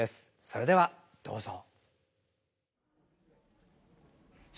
それではどうぞ。